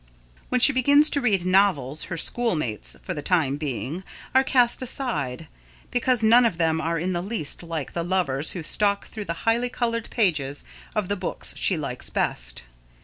When she begins to read novels, her schoolmates, for the time being, are cast aside, because none of them are in the least like the lovers who stalk through the highly coloured pages of the books she likes best.